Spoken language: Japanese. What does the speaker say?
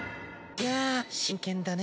いやぁ真剣だね。